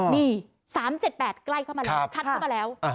นี่๓๗๘ใกล้เข้ามาแล้วชัดเข้ามาแล้ว